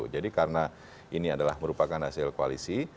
jadi karena ini adalah merupakan hasil koalisi